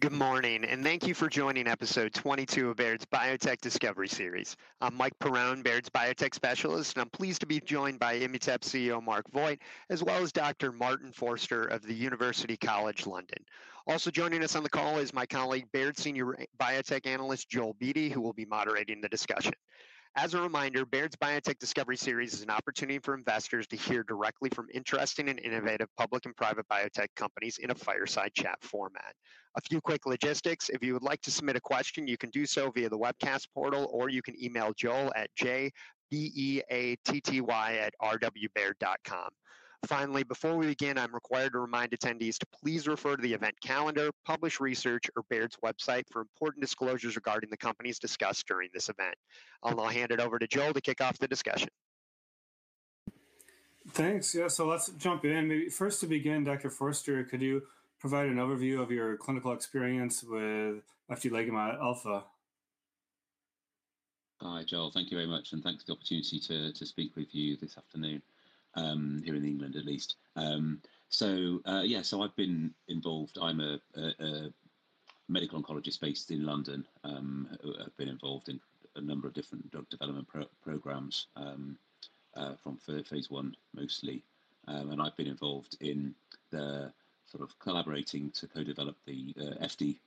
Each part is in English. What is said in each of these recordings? Good morning, and thank you for joining episode 22 of Baird's Biotech Discovery Series. I'm Mike Perrone, Baird's Biotech Specialist, and I'm pleased to be joined by Immutep CEO Marc Voigt, as well as Dr. Martin Forster of the University College London. Also joining us on the call is my colleague, Baird Senior Biotech Analyst Joel Beatty, who will be moderating the discussion. As a reminder, Baird's Biotech Discovery Series is an opportunity for investors to hear directly from interesting and innovative public and private biotech companies in a fireside chat format. A few quick logistics: if you would like to submit a question, you can do so via the webcast portal, or you can email Joel at jbeatty@rwbaird.com. Finally, before we begin, I'm required to remind attendees to please refer to the event calendar, published research, or Baird's website for important disclosures regarding the companies discussed during this event. I'll now hand it over to Joel to kick off the discussion. Thanks. Yeah, so let's jump in. First to begin, Dr. Forster, could you provide an overview of your clinical experience with eftilagimod alpha? Hi, Joel. Thank you very much, and thanks for the opportunity to speak with you this afternoon, here in England at least. So yeah, so I've been involved. I'm a medical oncologist based in London. I've been involved in a number of different drug development programs from phase I mostly. And I've been involved in the sort of collaborating to co-develop the efti,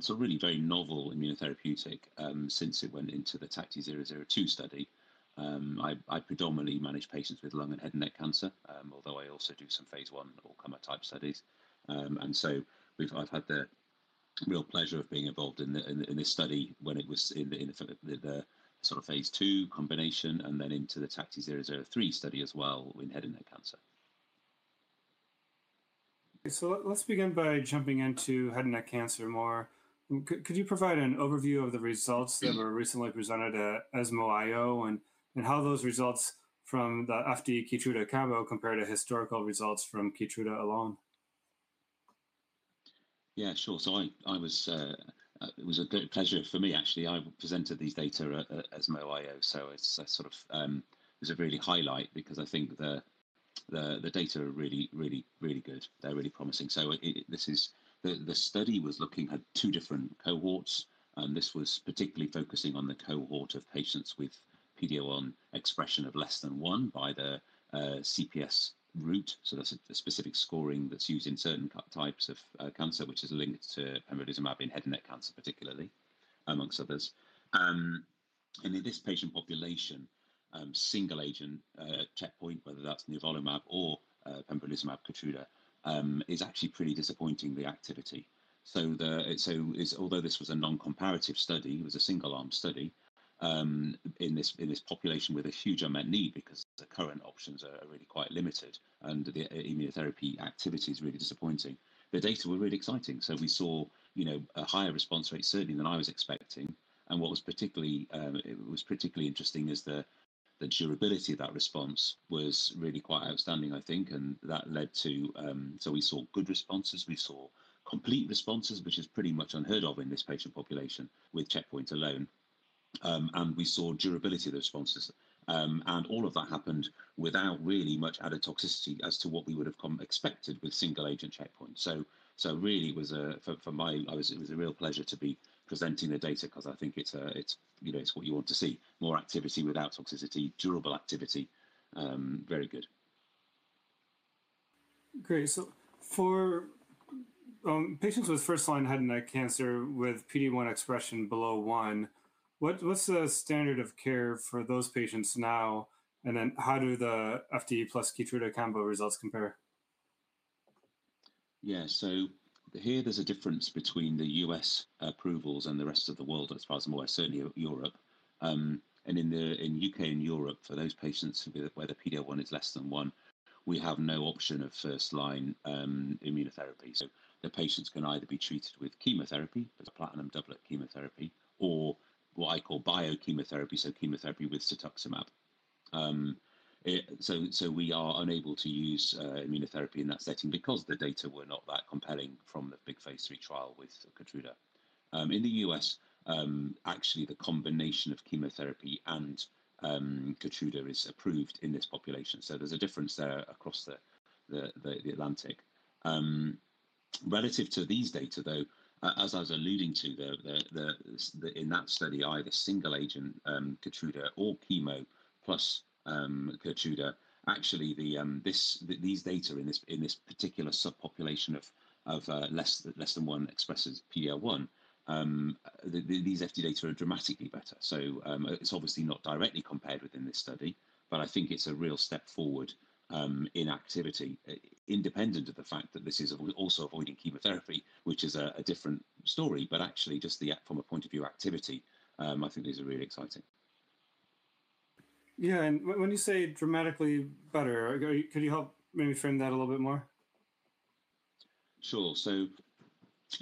so really very novel immunotherapeutic since it went into the TACTI-002 study. I predominantly manage patients with lung and head and neck cancer, although I also do some phase I or early phase type studies. And so I've had the real pleasure of being involved in this study when it was in the sort of phase II combination and then into the TACTI-003 study as well in head and neck cancer. So let's begin by jumping into head and neck cancer more. Could you provide an overview of the results that were recently presented at ESMO I/O, and how those results from the efti Keytruda combo compare to historical results from Keytruda alone? Yeah, sure. So it was a pleasure for me, actually. I presented these data at ESMO I/O, so it's sort of a really highlight because I think the data are really, really, really good. They're really promising. So the study was looking at two different cohorts, and this was particularly focusing on the cohort of patients with PD-L1 expression of less than one by the CPS route. So that's a specific scoring that's used in certain types of cancer, which is linked to pembrolizumab in head and neck cancer particularly, amongst others. And in this patient population, single agent checkpoint, whether that's nivolumab or pembrolizumab Keytruda, is actually pretty disappointing, the activity. So although this was a non-comparative study, it was a single-arm study in this population with a huge unmet need because the current options are really quite limited, and the immunotherapy activity is really disappointing. The data were really exciting, so we saw a higher response rate, certainly, than I was expecting, and what was particularly interesting is the durability of that response was really quite outstanding, I think, and that led to, so we saw good responses. We saw complete responses, which is pretty much unheard of in this patient population with checkpoint alone, and we saw durability of the responses, and all of that happened without really much added toxicity as to what we would have expected with single agent checkpoint, so really, for me, it was a real pleasure to be presenting the data because I think it's what you want to see: more activity without toxicity, durable activity. Very good. Great. So for patients with first-line head and neck cancer with PD-1 expression below one, what's the standard of care for those patients now, and then how do the efti plus Keytruda combo results compare? Yeah, so here there's a difference between the U.S. approvals and the rest of the world as far as I'm aware, certainly Europe. And in the U.K. and Europe, for those patients where the PD-L1 is less than one, we have no option of first-line immunotherapy. So the patients can either be treated with chemotherapy, platinum doublet chemotherapy, or what I call biochemotherapy, so chemotherapy with cetuximab. So we are unable to use immunotherapy in that setting because the data were not that compelling from the big phase III trial with Keytruda. In the U.S., actually, the combination of chemotherapy and Keytruda is approved in this population. So there's a difference there across the Atlantic. Relative to these data, though, as I was alluding to, in that study, either single agent Keytruda or chemo plus Keytruda, actually, these data in this particular subpopulation of less than 1% expresses PD-L1, these efti data are dramatically better, so it's obviously not directly compared within this study, but I think it's a real step forward in activity, independent of the fact that this is also avoiding chemotherapy, which is a different story, but actually, just from a point of view of activity, I think these are really exciting. Yeah, and when you say dramatically better, could you help me frame that a little bit more? Sure. So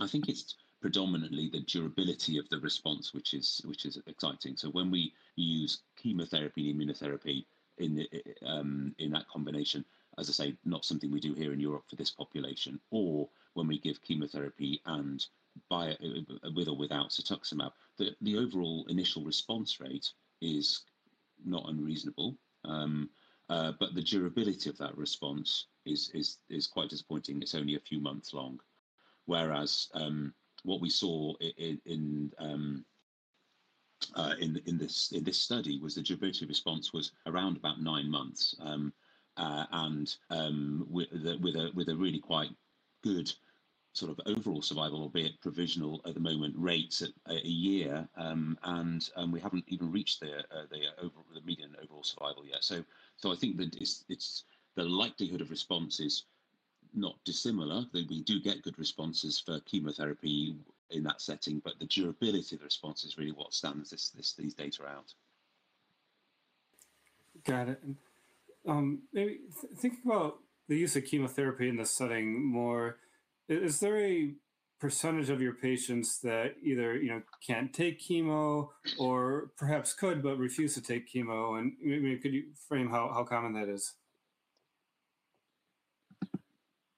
I think it's predominantly the durability of the response, which is exciting. So when we use chemotherapy and immunotherapy in that combination, as I say, not something we do here in Europe for this population, or when we give chemotherapy with or without cetuximab, the overall initial response rate is not unreasonable, but the durability of that response is quite disappointing. It's only a few months long. Whereas what we saw in this study was the durability of response was around about nine months, and with a really quite good sort of overall survival, albeit provisional at the moment, rates a year, and we haven't even reached the median overall survival yet. So I think the likelihood of response is not dissimilar. We do get good responses for chemotherapy in that setting, but the durability of the response is really what stands these data out. Got it. Maybe thinking about the use of chemotherapy in this setting more, is there a percentage of your patients that either can't take chemo or perhaps could but refuse to take chemo? And could you frame how common that is?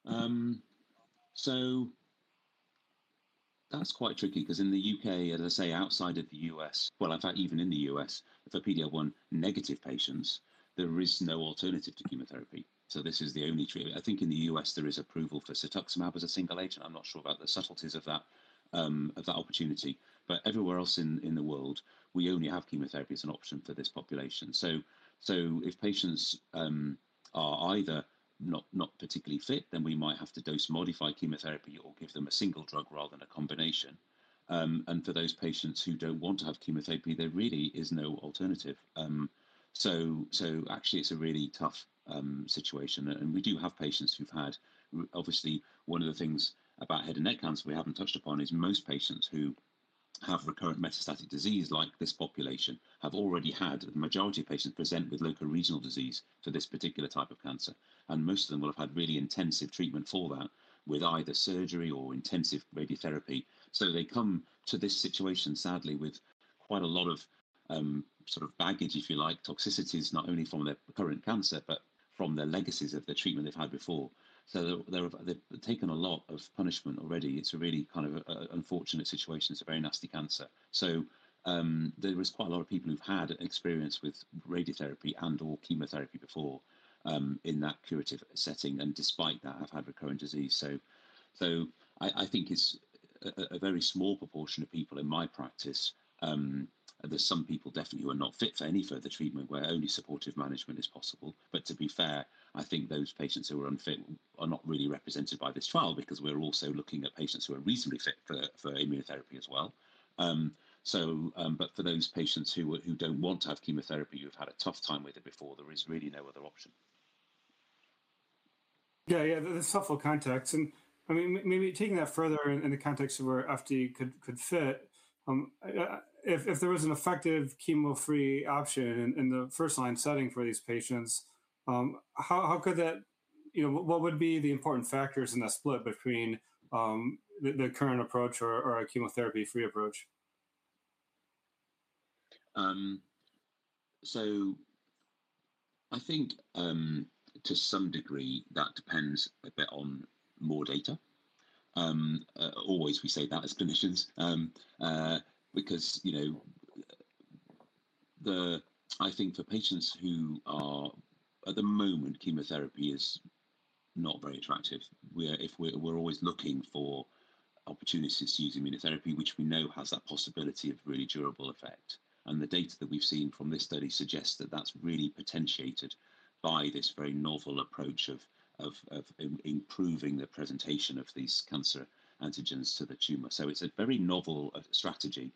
That's quite tricky because in the U.K., as I say, outside of the U.S., well, in fact, even in the U.S., for PD-L1 negative patients, there is no alternative to chemotherapy. So this is the only treatment. I think in the U.S., there is approval for cetuximab as a single agent. I'm not sure about the subtleties of that opportunity. But everywhere else in the world, we only have chemotherapy as an option for this population. So if patients are either not particularly fit, then we might have to dose-modify chemotherapy or give them a single drug rather than a combination. And for those patients who don't want to have chemotherapy, there really is no alternative. So actually, it's a really tough situation. We do have patients who've had, obviously, one of the things about head and neck cancer we haven't touched upon is most patients who have recurrent metastatic disease like this population have already had. The majority of patients present with local regional disease for this particular type of cancer. Most of them will have had really intensive treatment for that with either surgery or intensive radiotherapy. They come to this situation, sadly, with quite a lot of sort of baggage, if you like, toxicities, not only from their current cancer, but from the legacies of the treatment they've had before. They've taken a lot of punishment already. It's a really kind of unfortunate situation. It's a very nasty cancer. There was quite a lot of people who've had experience with radiotherapy and/or chemotherapy before in that curative setting, and despite that, have had recurrent disease. So I think it's a very small proportion of people in my practice. There's some people definitely who are not fit for any further treatment where only supportive management is possible. But to be fair, I think those patients who are unfit are not really represented by this trial because we're also looking at patients who are reasonably fit for immunotherapy as well. But for those patients who don't want to have chemotherapy, who've had a tough time with it before, there is really no other option. Yeah, yeah, the subtle context, and I mean, maybe taking that further in the context of where efti could fit, if there was an effective chemo-free option in the first-line setting for these patients, how could that? What would be the important factors in that split between the current approach or a chemotherapy-free approach? So I think to some degree, that depends a bit on more data. Always, we say that as clinicians because I think for patients who are, at the moment, chemotherapy is not very attractive. We're always looking for opportunities to use immunotherapy, which we know has that possibility of really durable effect. And the data that we've seen from this study suggests that that's really potentiated by this very novel approach of improving the presentation of these cancer antigens to the tumor. So it's a very novel strategy,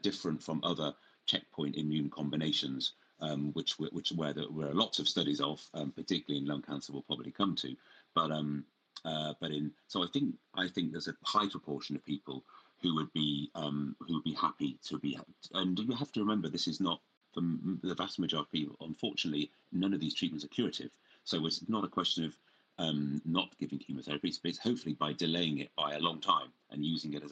different from other checkpoint immune combinations, which, where there were lots of studies of, particularly in lung cancer, we'll probably come to. But so I think there's a high proportion of people who would be happy to be. And you have to remember, this is not for the vast majority of people, unfortunately, none of these treatments are curative. So it's not a question of not giving chemotherapy, but it's hopefully by delaying it by a long time and using it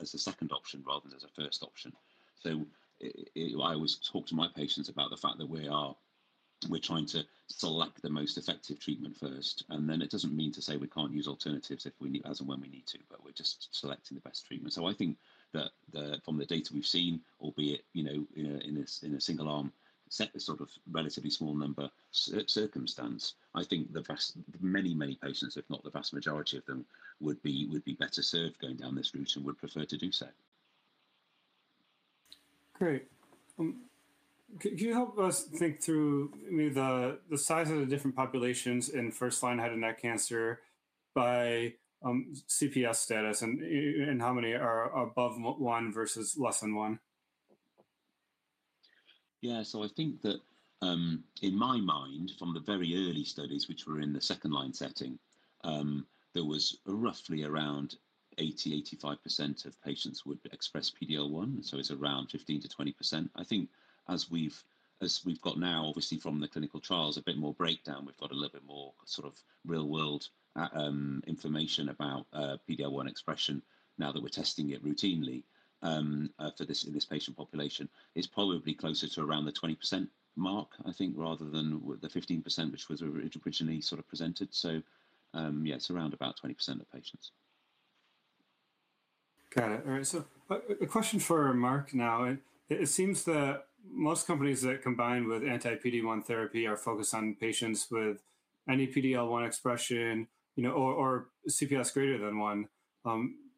as a second option rather than as a first option. So I always talk to my patients about the fact that we're trying to select the most effective treatment first. And then it doesn't mean to say we can't use alternatives as and when we need to, but we're just selecting the best treatment. So I think that from the data we've seen, albeit in a single-arm set of sort of relatively small number circumstance, I think the many, many patients, if not the vast majority of them, would be better served going down this route and would prefer to do so. Great. Can you help us think through the size of the different populations in first-line head and neck cancer by CPS status and how many are above one versus less than one? Yeah, so I think that in my mind, from the very early studies, which were in the second-line setting, there was roughly around 80%-85% of patients would express PD-L1. So it's around 15%-20%. I think as we've got now, obviously, from the clinical trials, a bit more breakdown, we've got a little bit more sort of real-world information about PD-L1 expression now that we're testing it routinely for this patient population. It's probably closer to around the 20% mark, I think, rather than the 15%, which was originally sort of presented. So yeah, it's around about 20% of patients. Got it. All right. So a question for Marc now. It seems that most companies that combine with anti-PD-1 therapy are focused on patients with any PD-L1 expression or CPS greater than one.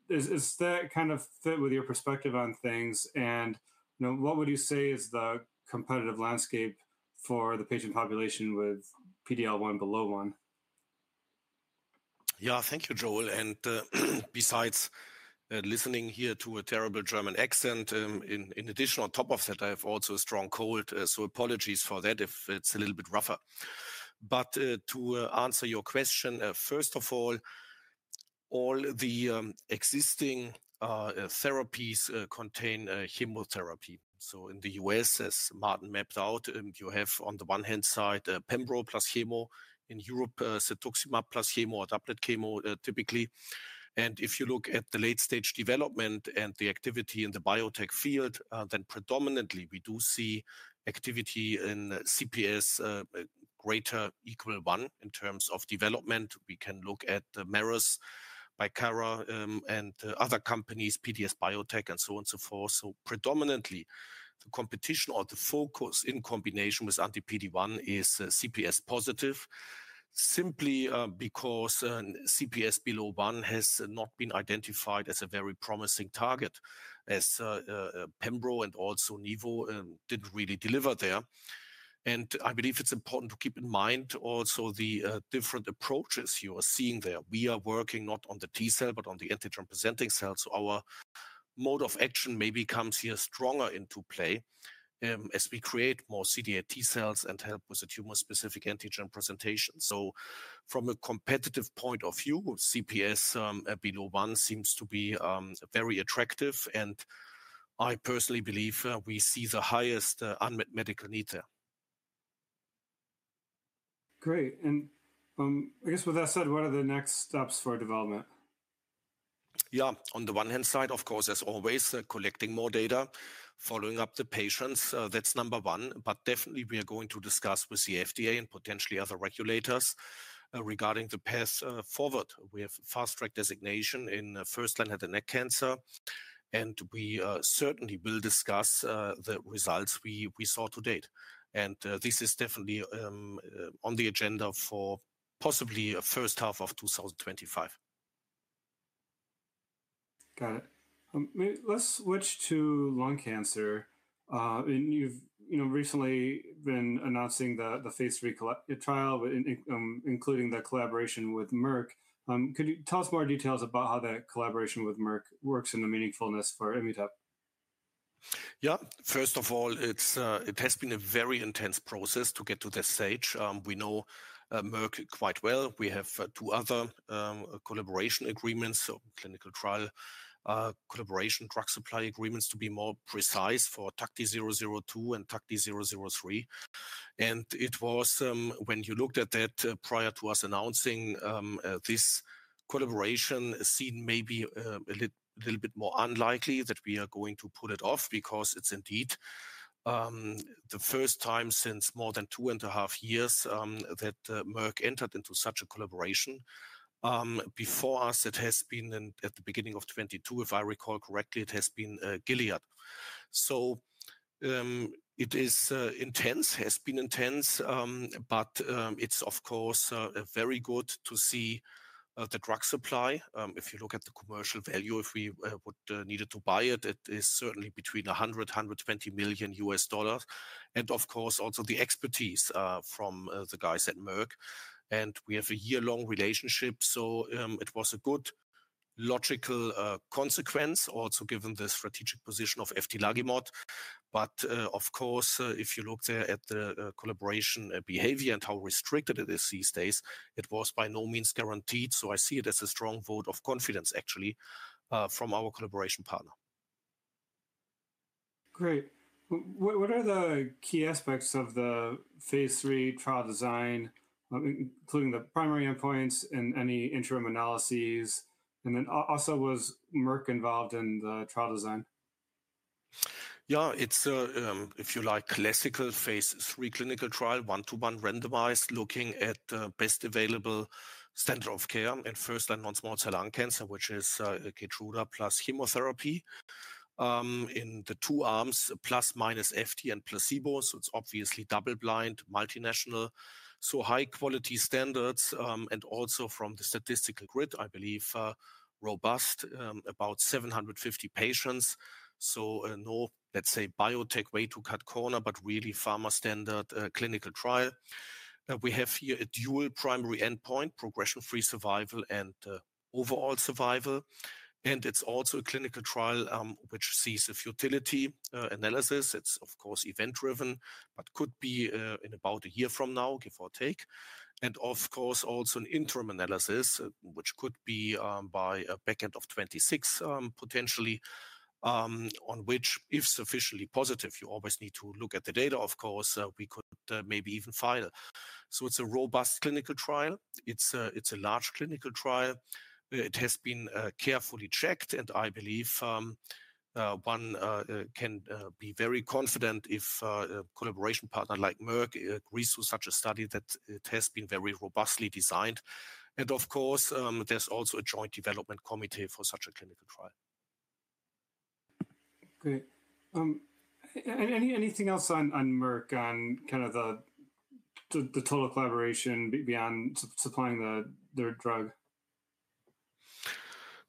Does that kind of fit with your perspective on things? And what would you say is the competitive landscape for the patient population with PD-L1 below one? Yeah, thank you, Joel. And besides listening here to a terrible German accent, in addition, on top of that, I have also a strong cold. So apologies for that if it's a little bit rougher. But to answer your question, first of all, all the existing therapies contain chemotherapy. So in the U.S., as Martin mapped out, you have on the one hand side pembro plus chemo, in Europe, cetuximab plus chemo, doublet chemo typically. And if you look at the late-stage development and the activity in the biotech field, then predominantly, we do see activity in CPS greater equal one in terms of development. We can look at the Merck, Bristol Myers Squibb and other companies, PDS Biotech, and so on and so forth. So predominantly, the competition or the focus in combination with anti-PD-1 is CPS positive simply because CPS below 1 has not been identified as a very promising target, as pembro and also nivo didn't really deliver there. And I believe it's important to keep in mind also the different approaches you are seeing there. We are working not on the T cell, but on the antigen-presenting cells. So our mode of action maybe comes here stronger into play as we create more CD8 T cells and help with the tumor-specific antigen presentation. So from a competitive point of view, CPS below 1 seems to be very attractive. And I personally believe we see the highest unmet medical need there. Great. And I guess with that said, what are the next steps for development? Yeah, on the one hand side, of course, as always, collecting more data, following up the patients. That's number one, but definitely, we are going to discuss with the FDA and potentially other regulators regarding the path forward. We have fast-track designation in first-line head and neck cancer, and we certainly will discuss the results we saw to date, and this is definitely on the agenda for possibly the first half of 2025. Got it. Let's switch to lung cancer and you've recently been announcing the phase III trial, including the collaboration with Merck. Could you tell us more details about how that collaboration with Merck works and the meaningfulness for Immutep? Yeah, first of all, it has been a very intense process to get to this stage. We know Merck quite well. We have two other collaboration agreements, so clinical trial collaboration drug supply agreements, to be more precise for TACTI-002 and TACTI-003. And it was when you looked at that prior to us announcing this collaboration, it seemed maybe a little bit more unlikely that we are going to pull it off because it's indeed the first time since more than two and a half years that Merck entered into such a collaboration. Before us, it has been at the beginning of 2022, if I recall correctly, it has been Gilead. So it is intense, has been intense, but it's, of course, very good to see the drug supply. If you look at the commercial value, if we would need to buy it, it is certainly between $100 million-$120 million. And of course, also the expertise from the guys at Merck. And we have a year-long relationship. So it was a good logical consequence, also given the strategic position of eftilagimod alpha. But of course, if you look there at the collaboration behavior and how restricted it is these days, it was by no means guaranteed. So I see it as a strong vote of confidence, actually, from our collaboration partner. Great. What are the key aspects of the phase III trial design, including the primary endpoints and any interim analyses? And then also was Merck involved in the trial design? Yeah, it's a, if you like, classical phase III clinical trial, one-to-one randomized, looking at the best available standard of care in first-line non-small cell lung cancer, which is Keytruda plus chemotherapy in the two arms, plus minus efti and placebo. So it's obviously double-blind, multinational, so high-quality standards and also from the statistical plan, I believe, robust, about 750 patients. So no, let's say, biotech way to cut corners, but really pharma-standard clinical trial. We have here a dual primary endpoint, progression-free survival and overall survival. And it's also a clinical trial which has a futility analysis. It's, of course, event-driven, but could be in about a year from now, give or take. And of course, also an interim analysis, which could be by a back end of 2026, potentially, on which, if sufficiently positive, you always need to look at the data, of course, we could maybe even file. So it's a robust clinical trial. It's a large clinical trial. It has been carefully checked. And I believe one can be very confident if a collaboration partner like Merck agrees to such a study that it has been very robustly designed. And of course, there's also a joint development committee for such a clinical trial. Great. Anything else on Merck, on kind of the total collaboration beyond supplying their drug?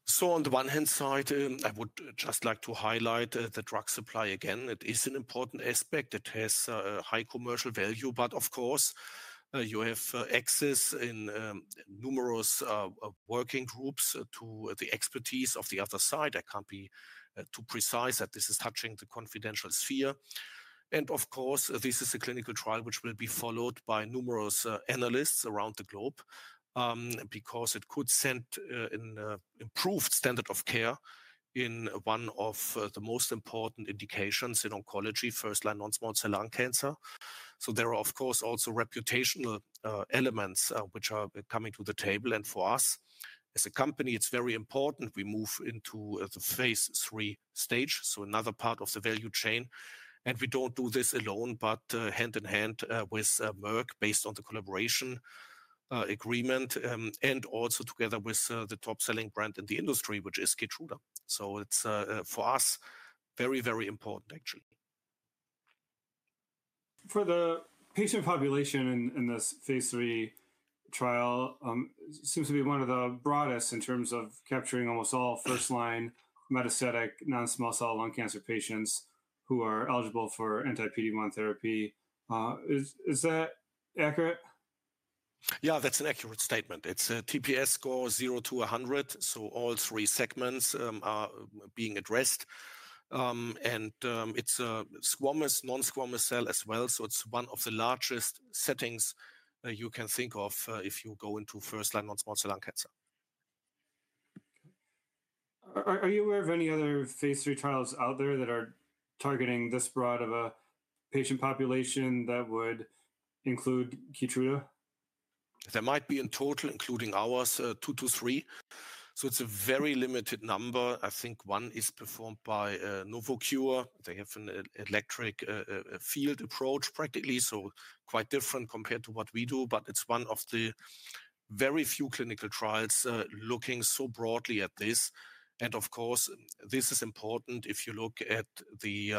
So on the one hand side, I would just like to highlight the drug supply. Again, it is an important aspect. It has high commercial value. But of course, you have access in numerous working groups to the expertise of the other side. I can't be too precise that this is touching the confidential sphere. And of course, this is a clinical trial which will be followed by numerous analysts around the globe because it could send an improved standard of care in one of the most important indications in oncology, first-line non-small cell lung cancer. So there are, of course, also reputational elements which are coming to the table. And for us as a company, it's very important. We move into the phase III stage, so another part of the value chain. We don't do this alone, but hand in hand with Merck based on the collaboration agreement and also together with the top-selling brand in the industry, which is Keytruda. It's for us very, very important, actually. For the patient population in this phase III trial, it seems to be one of the broadest in terms of capturing almost all first-line metastatic non-small cell lung cancer patients who are eligible for anti-PD-1 therapy. Is that accurate? Yeah, that's an accurate statement. It's a TPS score of 0-100. So all three segments are being addressed. And it's a squamous non-squamous cell as well. So it's one of the largest settings you can think of if you go into first-line non-small cell lung cancer. Are you aware of any other phase III trials out there that are targeting this broad of a patient population that would include Keytruda? There might be in total, including ours, two to three, so it's a very limited number. I think one is performed by Novocure. They have an electric field approach, practically, so quite different compared to what we do, but it's one of the very few clinical trials looking so broadly at this, and of course, this is important if you look at the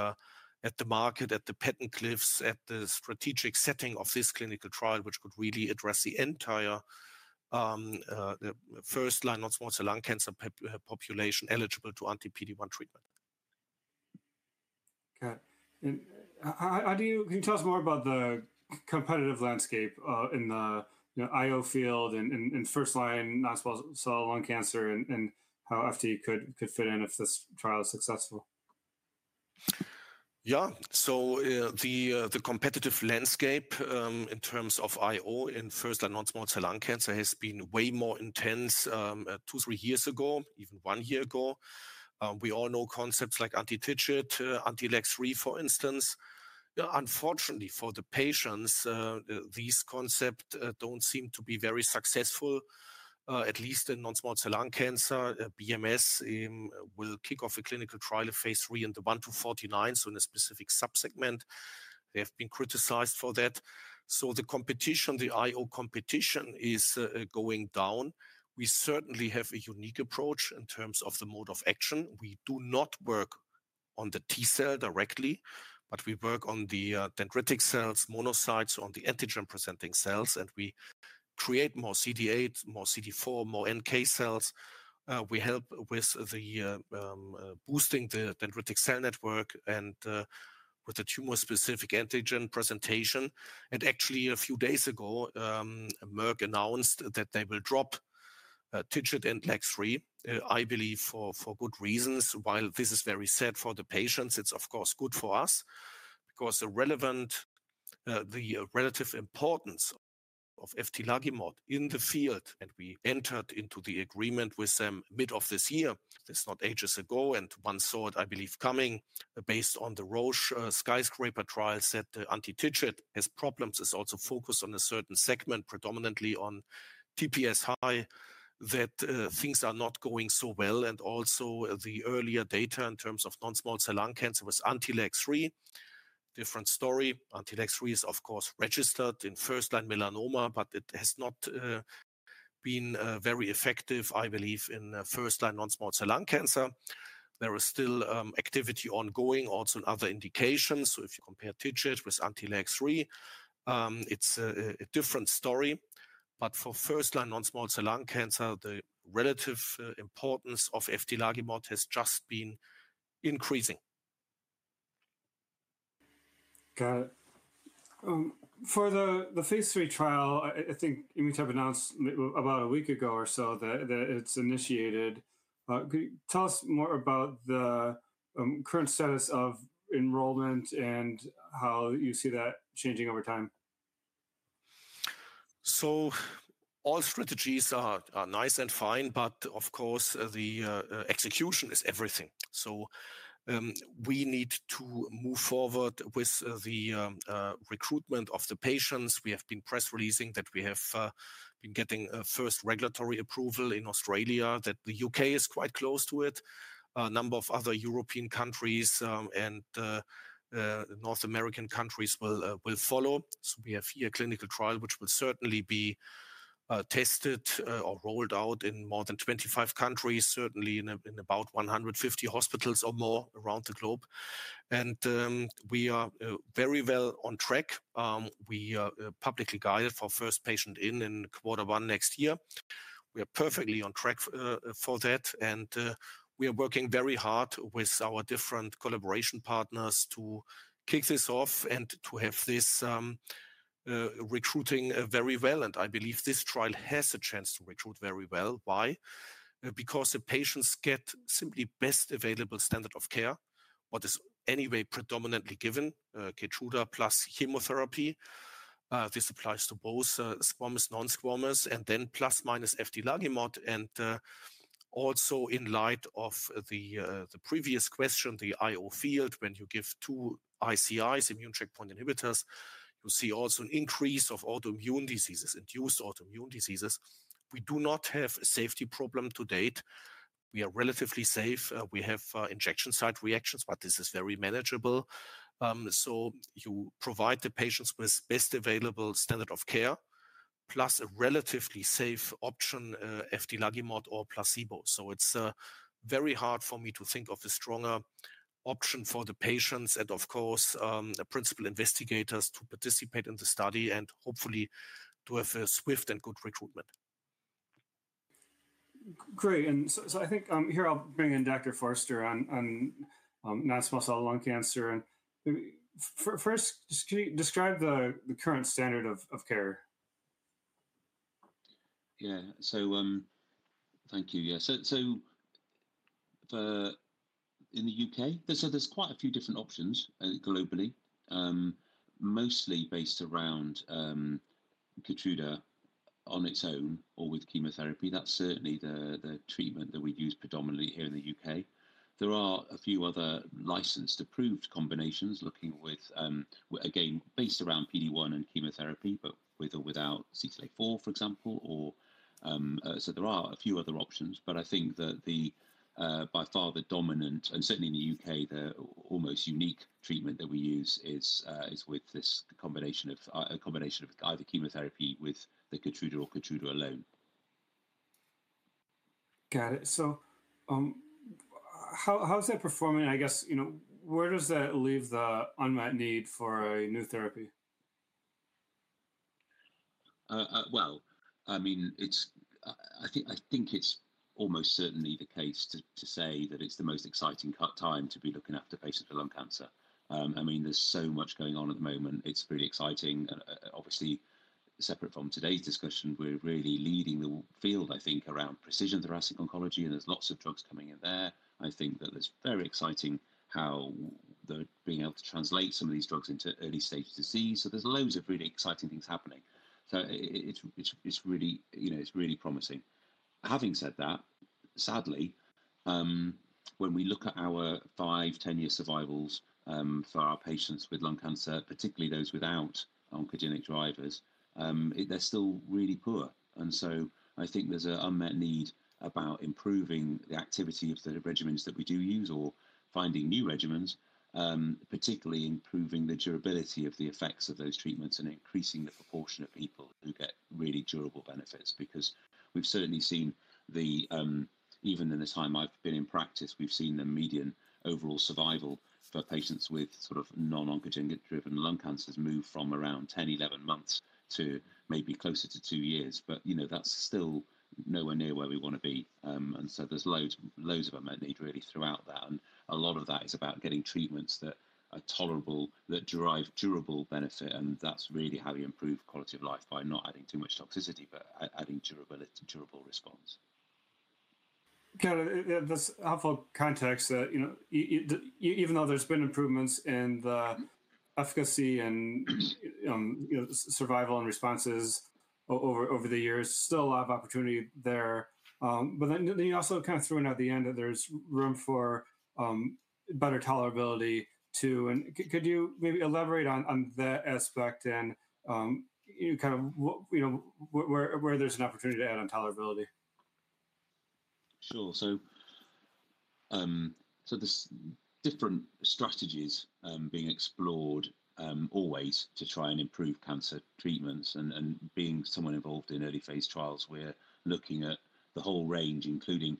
market, at the patent cliffs, at the strategic setting of this clinical trial, which could really address the entire first-line non-small cell lung cancer population eligible to anti-PD-1 treatment. Got it. Can you tell us more about the competitive landscape in the IO field and first-line non-small cell lung cancer and how eftilagimod alpha could fit in if this trial is successful? Yeah. So the competitive landscape in terms of IO in first-line non-small cell lung cancer has been way more intense two, three years ago, even one year ago. We all know concepts like anti-TIGIT, anti-LAG-3, for instance. Unfortunately, for the patients, these concepts don't seem to be very successful, at least in non-small cell lung cancer. BMS will kick off a clinical trial of phase III in the 1L to 4L, so in a specific subsegment. They have been criticized for that. So the competition, the IO competition, is going down. We certainly have a unique approach in terms of the mode of action. We do not work on the T cell directly, but we work on the dendritic cells, monocytes, on the antigen-presenting cells. And we create more CD8, more CD4, more NK cells. We help with boosting the dendritic cell network and with the tumor-specific antigen presentation. Actually, a few days ago, Merck announced that they will drop anti-TIGIT and anti-LAG-3, I believe, for good reasons. While this is very sad for the patients, it's, of course, good for us because the relative importance of eftilagimod in the field, and we entered into the agreement with them mid of this year. It's not ages ago, and one saw it, I believe, coming based on the Roche Skyscraper trials that anti-TIGIT has problems. It's also focused on a certain segment, predominantly on TPS high, that things are not going so well. Also the earlier data in terms of non-small cell lung cancer was anti-LAG-3. Different story. Anti-LAG-3 is, of course, registered in first-line melanoma, but it has not been very effective, I believe, in first-line non-small cell lung cancer. There is still activity ongoing, also in other indications. So if you compare TIGIT with anti-LAG-3, it's a different story. But for first-line non-small cell lung cancer, the relative importance of eftilagimod alpha has just been increasing. Got it. For the phase III trial, I think Immutep announced about a week ago or so that it's initiated. Could you tell us more about the current status of enrollment and how you see that changing over time? So all strategies are nice and fine, but of course, the execution is everything. So we need to move forward with the recruitment of the patients. We have been press releasing that we have been getting first regulatory approval in Australia, that the U.K. is quite close to it. A number of other European countries and North American countries will follow. So we have here a clinical trial which will certainly be tested or rolled out in more than 25 countries, certainly in about 150 hospitals or more around the globe. And we are very well on track. We are publicly guided for first patient in quarter one next year. We are perfectly on track for that. And we are working very hard with our different collaboration partners to kick this off and to have this recruiting very well. And I believe this trial has a chance to recruit very well. Why? Because the patients get simply best available standard of care, what is anyway predominantly given, Keytruda plus chemotherapy. This applies to both squamous non-squamous and then plus minus eftilagimod alpha. And also in light of the previous question, the IO field, when you give two ICIs, immune checkpoint inhibitors, you see also an increase of autoimmune diseases, induced autoimmune diseases. We do not have a safety problem to date. We are relatively safe. We have injection site reactions, but this is very manageable. So you provide the patients with best available standard of care plus a relatively safe option, eftilagimod alpha or placebo. So it's very hard for me to think of a stronger option for the patients and, of course, principal investigators to participate in the study and hopefully to have a swift and good recruitment. Great. And so I think here I'll bring in Dr. Forster on non-small cell lung cancer. And first, can you describe the current standard of care? Yeah. So thank you. Yeah. So in the U.K., there's quite a few different options globally, mostly based around Keytruda on its own or with chemotherapy. That's certainly the treatment that we use predominantly here in the U.K. There are a few other licensed approved combinations looking with, again, based around PD-1 and chemotherapy, but with or without CTLA4, for example. So there are a few other options. But I think that by far the dominant, and certainly in the U.K., the almost unique treatment that we use is with this combination of either chemotherapy with the Keytruda or Keytruda alone. Got it. So how is that performing? I guess, where does that leave the unmet need for a new therapy? I mean, I think it's almost certainly the case to say that it's the most exciting time to be looking after patients with lung cancer. I mean, there's so much going on at the moment. It's really exciting. Obviously, separate from today's discussion, we're really leading the field, I think, around precision thoracic oncology, and there's lots of drugs coming in there. I think that it's very exciting how they're being able to translate some of these drugs into early-stage disease, so there's loads of really exciting things happening, so it's really promising. Having said that, sadly, when we look at our five, 10-year survivals for our patients with lung cancer, particularly those without oncogenic drivers, they're still really poor. I think there's an unmet need about improving the activity of the regimens that we do use or finding new regimens, particularly improving the durability of the effects of those treatments and increasing the proportion of people who get really durable benefits. Because we've certainly seen the, even in the time I've been in practice, we've seen the median overall survival for patients with sort of non-oncogenic-driven lung cancers move from around 10-11 months to maybe closer to two years. But that's still nowhere near where we want to be. There's loads of unmet need really throughout that. A lot of that is about getting treatments that are tolerable, that derive durable benefit. That's really how you improve quality of life by not adding too much toxicity, but adding durable response. Got it. That's helpful context. Even though there's been improvements in the efficacy and survival and responses over the years, still a lot of opportunity there. But then you also kind of threw in at the end that there's room for better tolerability too. And could you maybe elaborate on that aspect and kind of where there's an opportunity to add on tolerability? Sure. So there's different strategies being explored always to try and improve cancer treatments. And being somewhat involved in early-phase trials, we're looking at the whole range, including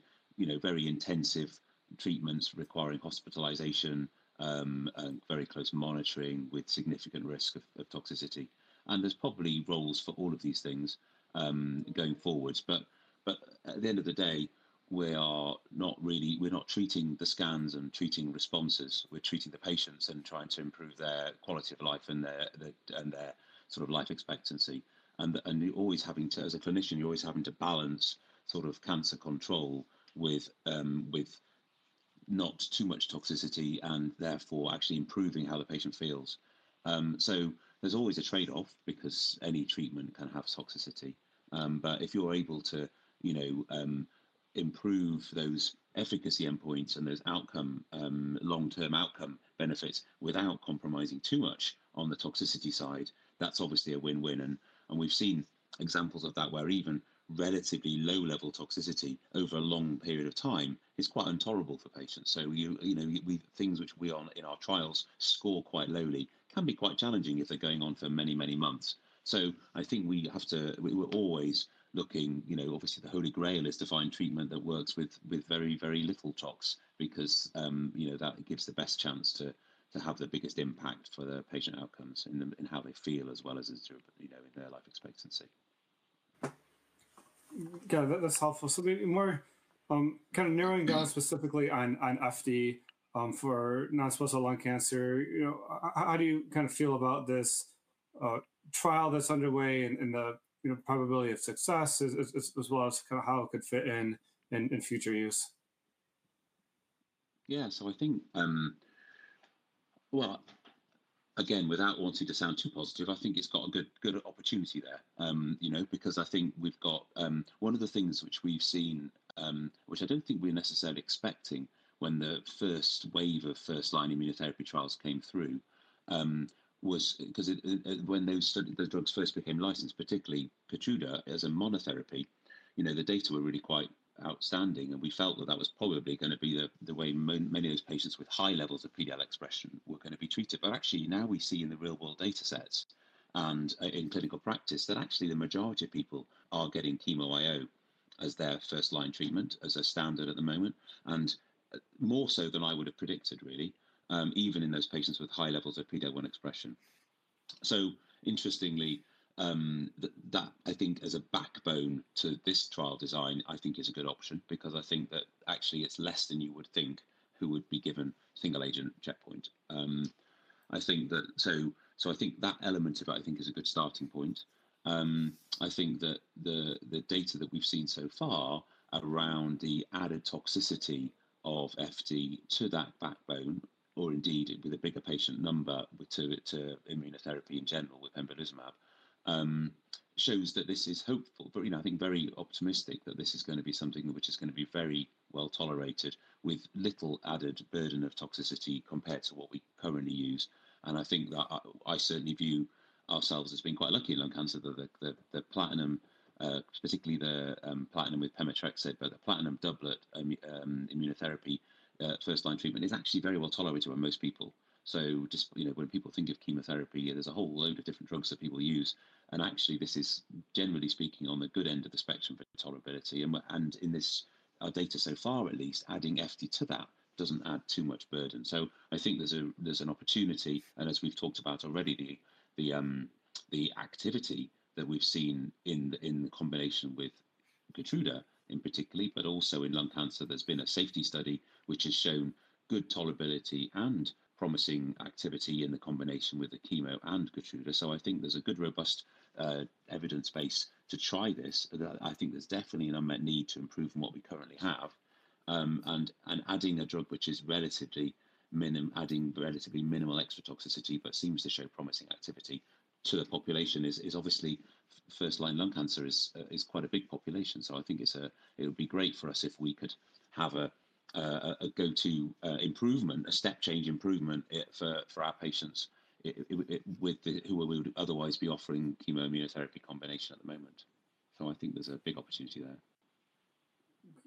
very intensive treatments requiring hospitalization and very close monitoring with significant risk of toxicity. And there's probably roles for all of these things going forwards. But at the end of the day, we're not treating the scans and treating responses. We're treating the patients and trying to improve their quality of life and their sort of life expectancy. And always having to, as a clinician, you're always having to balance sort of cancer control with not too much toxicity and therefore actually improving how the patient feels. So there's always a trade-off because any treatment can have toxicity. But if you're able to improve those efficacy endpoints and those long-term outcome benefits without compromising too much on the toxicity side, that's obviously a win-win. And we've seen examples of that where even relatively low-level toxicity over a long period of time is quite intolerable for patients. So things which we are in our trials score quite lowly can be quite challenging if they're going on for many, many months. So I think we have to, we're always looking, obviously the Holy Grail is to find treatment that works with very, very little tox because that gives the best chance to have the biggest impact for the patient outcomes in how they feel as well as in their life expectancy. Got it. That's helpful. So kind of narrowing down specifically on efti for non-small cell lung cancer, how do you kind of feel about this trial that's underway and the probability of success as well as kind of how it could fit in future use? Yeah. So I think, well, again, without wanting to sound too positive, I think it's got a good opportunity there. Because I think we've got one of the things which we've seen, which I don't think we're necessarily expecting when the first wave of first-line immunotherapy trials came through, was because when those drugs first became licensed, particularly Keytruda as a monotherapy, the data were really quite outstanding. And we felt that that was probably going to be the way many of those patients with high levels of PDL expression were going to be treated. But actually, now we see in the real-world data sets and in clinical practice that actually the majority of people are getting chemo IO as their first-line treatment as a standard at the moment, and more so than I would have predicted, really, even in those patients with high levels of PDL1 expression. Interestingly, that, I think, as a backbone to this trial design, I think is a good option because I think that actually it's less than you would think who would be given single-agent checkpoint. I think that element of it, I think, is a good starting point. I think that the data that we've seen so far around the added toxicity of efti to that backbone, or indeed with a bigger patient number to immunotherapy in general with pembrolizumab, shows that this is hopeful, but I think very optimistic that this is going to be something which is going to be very well tolerated with little added burden of toxicity compared to what we currently use. I think that I certainly view ourselves as being quite lucky in lung cancer. The platinum, particularly the platinum with pemetrexed, but the platinum doublet immunotherapy first-line treatment is actually very well tolerated by most people. So when people think of chemotherapy, there's a whole load of different drugs that people use. And actually, this is generally speaking on the good end of the spectrum for tolerability. And in this data so far, at least, adding efti to that doesn't add too much burden. So I think there's an opportunity. And as we've talked about already, the activity that we've seen in the combination with Keytruda in particular, but also in lung cancer, there's been a safety study which has shown good tolerability and promising activity in the combination with the chemo and Keytruda. So I think there's a good robust evidence base to try this. I think there's definitely an unmet need to improve from what we currently have. Adding a drug which is relatively minimal extra toxicity, but seems to show promising activity to the population is obviously first-line lung cancer, which is quite a big population. I think it would be great for us if we could have a go-to improvement, a step-change improvement for our patients who we would otherwise be offering chemo immunotherapy combination at the moment. I think there's a big opportunity there.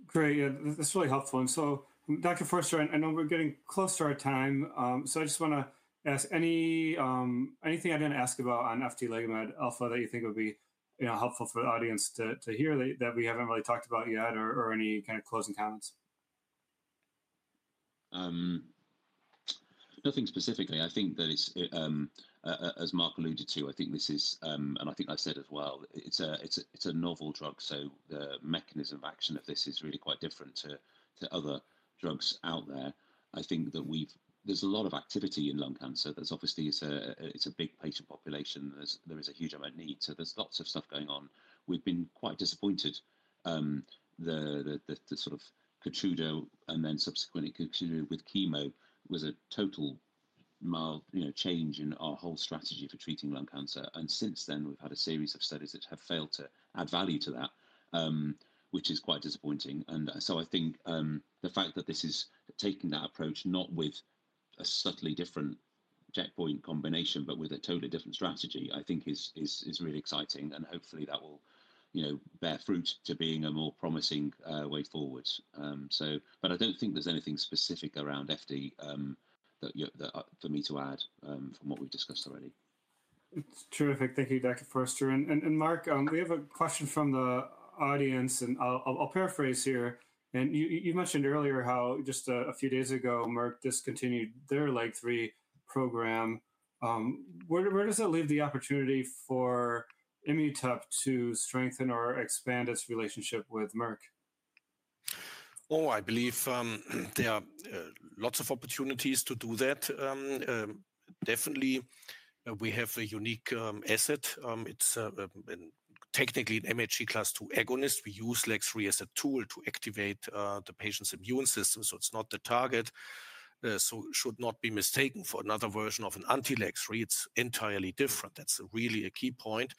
Great. That's really helpful. And so, Dr. Forster, I know we're getting close to our time. So I just want to ask, anything I didn't ask about on eftilagimod alpha that you think would be helpful for the audience to hear that we haven't really talked about yet or any kind of closing comments? Nothing specifically. I think that, as Marc alluded to, I think this is, and I think I said as well, it's a novel drug. So the mechanism of action of this is really quite different to other drugs out there. I think that there's a lot of activity in lung cancer. There's obviously, it's a big patient population. There is a huge amount of need. So there's lots of stuff going on. We've been quite disappointed. The sort of Keytruda and then subsequently Keytruda with chemo was a total change in our whole strategy for treating lung cancer. And since then, we've had a series of studies that have failed to add value to that, which is quite disappointing. And so I think the fact that this is taking that approach, not with a subtly different checkpoint combination, but with a totally different strategy, I think is really exciting. Hopefully, that will bear fruit to being a more promising way forward. I don't think there's anything specific around efti for me to add from what we've discussed already. It's terrific. Thank you, Dr. Forster. And Marc, we have a question from the audience, and I'll paraphrase here. And you mentioned earlier how just a few days ago, Merck discontinued their LAG-3 program. Where does that leave the opportunity for Immutep to strengthen or expand its relationship with Merck? Oh, I believe there are lots of opportunities to do that. Definitely, we have a unique asset. It's technically an MHC class II agonist. We use LAG-3 as a tool to activate the patient's immune system. So it's not the target. So it should not be mistaken for another version of an anti-LAG-3. It's entirely different. That's really a key point,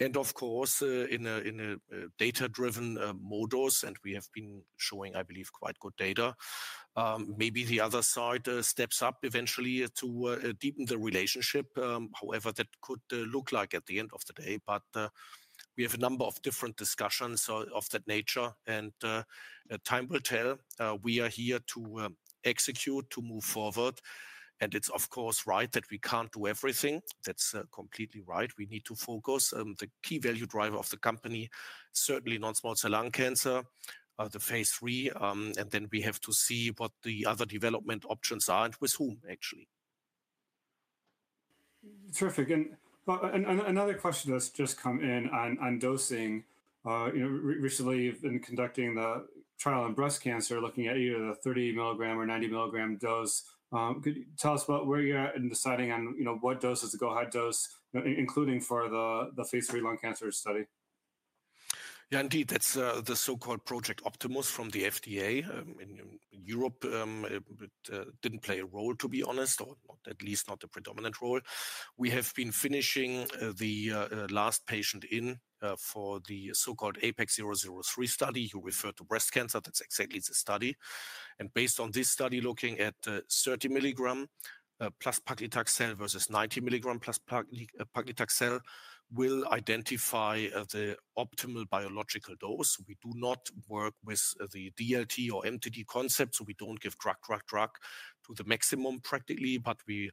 and of course, in a data-driven mode, and we have been showing, I believe, quite good data. Maybe the other side steps up eventually to deepen the relationship, however that could look like at the end of the day. But we have a number of different discussions of that nature. And time will tell. We are here to execute, to move forward. And it's, of course, right that we can't do everything. That's completely right. We need to focus. The key value driver of the company, certainly non-small cell lung cancer, the phase III. And then we have to see what the other development options are and with whom, actually. Terrific. Another question that's just come in on dosing. Recently, you've been conducting the trial on breast cancer, looking at either the 30 milligram or 90 milligram dose. Could you tell us about where you're at in deciding on what dose is the go-ahead dose, including for the phase III lung cancer study? Yeah, indeed. That's the so-called Project Optimus from the FDA. In Europe, it didn't play a role, to be honest, or at least not the predominant role. We have been finishing the last patient in for the so-called AIPAC-003 study. You refer to breast cancer. That's exactly the study, and based on this study, looking at 30 milligram plus paclitaxel versus 90 milligram plus paclitaxel will identify the optimal biological dose. We do not work with the DLT or MTD concept, so we don't give drug, drug, drug to the maximum practically, but we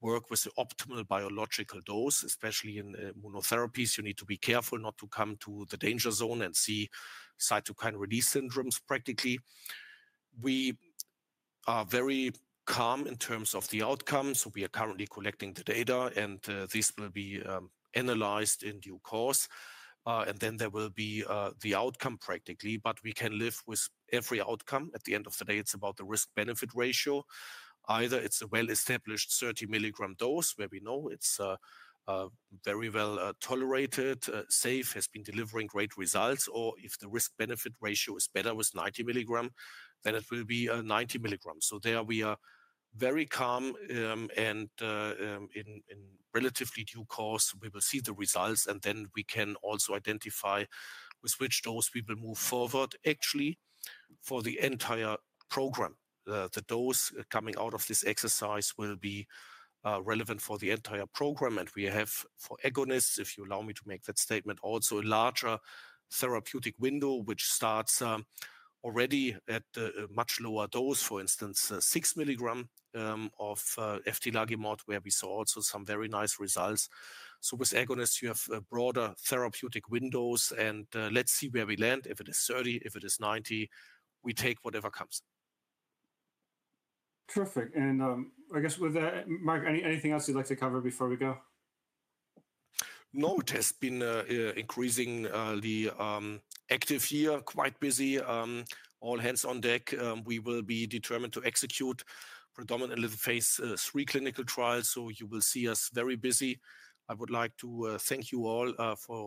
work with the optimal biological dose, especially in immunotherapies. You need to be careful not to come to the danger zone and see cytokine release syndromes practically. We are very calm in terms of the outcome, so we are currently collecting the data, and this will be analyzed in due course. Then there will be the outcome practically, but we can live with every outcome. At the end of the day, it's about the risk-benefit ratio. Either it's a well-established 30 milligram dose where we know it's very well tolerated, safe, has been delivering great results, or if the risk-benefit ratio is better with 90 milligram, then it will be 90 milligram, so there we are very calm. In relatively due course, we will see the results. Then we can also identify with which dose we will move forward, actually, for the entire program. The dose coming out of this exercise will be relevant for the entire program. We have for agonists, if you allow me to make that statement, also a larger therapeutic window, which starts already at a much lower dose, for instance, 6 milligrams of eftilagimod alpha, where we saw also some very nice results. With agonists, you have broader therapeutic windows. Let's see where we land. If it is 30, if it is 90, we take whatever comes. Terrific. And I guess with that, Marc, anything else you'd like to cover before we go? No, it has been increasingly active here, quite busy, all hands on deck. We will be determined to execute predominantly the phase III clinical trials. So you will see us very busy. I would like to thank you all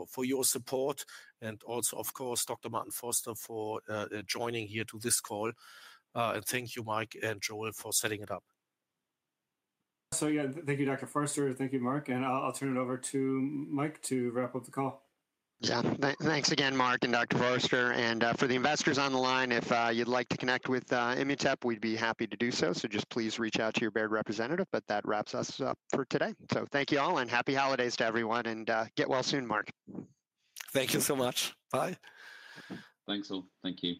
for your support and also, of course, Dr. Martin Forster for joining here to this call, and thank you, Mike and Joel, for setting it up. Yeah, thank you, Dr. Forster. Thank you, Marc. I'll turn it over to Mike to wrap up the call. Yeah. Thanks again, Marc and Dr. Forster, and for the investors on the line, if you'd like to connect with Immutep, we'd be happy to do so, so just please reach out to your Baird representative, but that wraps us up for today, so thank you all and happy holidays to everyone, and get well soon, Marc. Thank you so much. Bye. Thanks, all. Thank you.